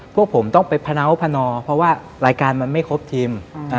พวกผมต้องไปพะเนาพนอเพราะว่ารายการมันไม่ครบทีม